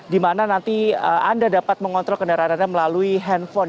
dimana nanti anda dapat mengontrol kendaraan anda melalui handphone